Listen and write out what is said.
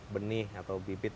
benih atau bibit